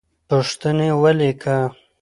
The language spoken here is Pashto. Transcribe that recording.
پوښتنې ولیکه.